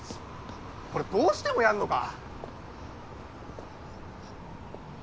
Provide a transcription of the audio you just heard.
これどうしてもやんのか？